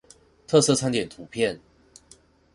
特色餐點圖片